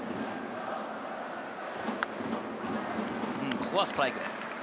ここはストライクです。